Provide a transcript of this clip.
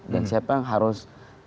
dan siapa yang harus